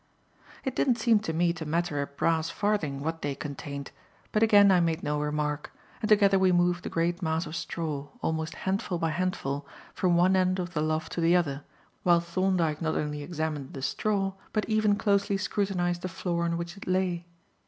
It didn't seem to me to matter a brass farthing what they contained, but again I made no remark; and together we moved the great mass of straw, almost handful by handful, from one end of the loft to the other, while Thorndyke, not only examined the straw but even closely scrutinized the floor on which it lay.